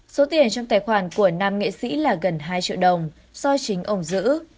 số tiền trong tài khoản của nam nghệ sĩ là gần hai triệu đồng do chính ông giữ